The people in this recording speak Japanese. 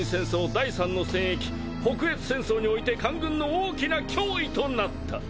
第３の戦役北越戦争において官軍の大きな脅威となった。